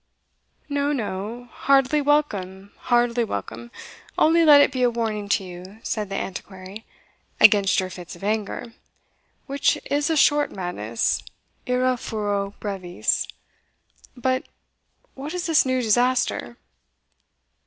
"No, no! heartily welcome, heartily welcome only let it be a warning to you," said the Antiquary, "against your fits of anger, which is a short madness Ira furor brevis but what is this new disaster?"